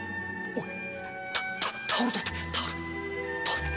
おい。